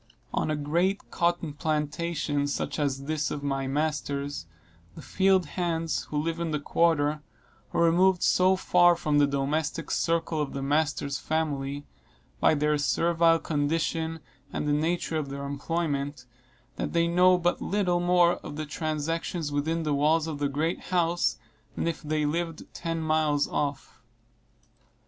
On a great cotton plantation, such as this of my master's, the field hands, who live in the quarter, are removed so far from the domestic circle of their master's family, by their servile condition and the nature of their employment, that they know but little more of the transactions within the walls of the great house than if they lived ten miles off.